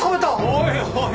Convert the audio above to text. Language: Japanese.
おいおい